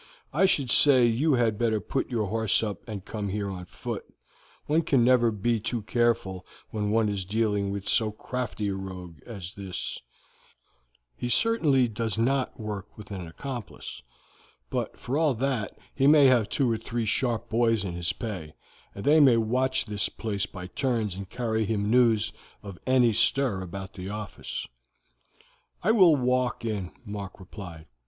I should say you had better put your horse up and come here on foot; one can never be too careful when one is dealing with so crafty a rogue as this; he certainly does not work with an accomplice, but for all that he may have two or three sharp boys in his pay, and they may watch this place by turns and carry him news of any stir about the office." "I will walk in," Mark replied.